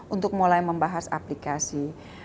untuk mulai membahas aplikasi